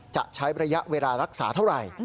จะใช้ระยะเวลารักษาเท่าไหร่